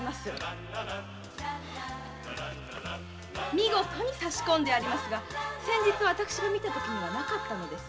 見事に差し込んでありますが先日私が見たときにはなかったのです。